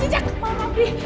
ada cicak kepala mati